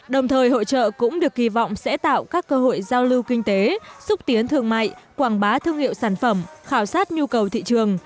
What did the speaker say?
đồng thời hội trợ cũng được kỳ vọng sẽ tạo các cơ hội giao lưu kinh tế xúc tiến thương mại quảng bá thương hiệu sản phẩm khảo sát nhu cầu thị trường